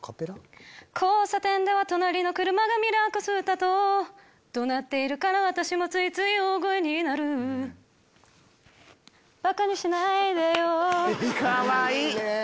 交差点では隣りの車がミラーこすったと怒鳴っているから私もついつい大声になる馬鹿にしないでよかわいい！